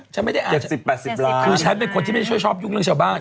ฉันไม่ได้อ่านคือฉันเป็นคนที่ไม่ชอบยุ่งเรื่องเชี่ยวบ้าน